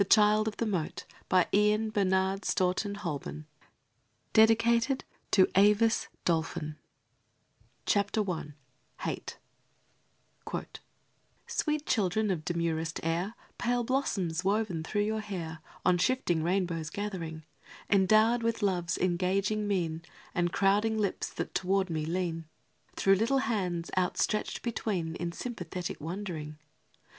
PLAN OF THE HALL HOLWICK, YORKSHIRE] THE CHILD OF THE MOAT A STORY FOR GIRLS CHAPTER I HATE Sweet children of demurest air, Pale blossoms woven through your hair, On shifting rainbows gathering, Endowed with love's engaging mien And crowding lips that toward me lean, Through little hands, outstretched between In sympathetic wondering.